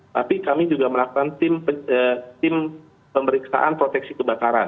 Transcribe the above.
tapi kami juga melakukan tim pemeriksaan proteksi kebakaran